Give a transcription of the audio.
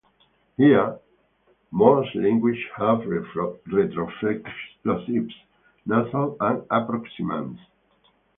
Here, most languages have retroflex plosives, nasal and approximants.